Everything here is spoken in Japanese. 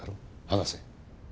話せ。